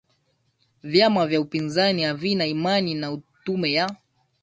vyama vya upinzani havina imani na tume ya